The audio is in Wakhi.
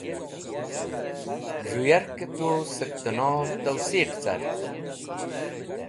Z̃hũ yakẽ tu sẽk tẽnov towsiq (validate) car.